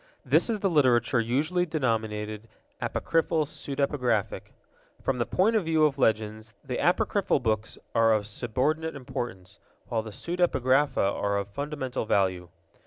This is the literature usually denominated apocryphal pseudepigraphic. From the point of view of legends, the apocryphal books are of subordinate importance, while the pseudepigrapha are of fundamental value.